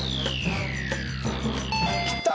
きた！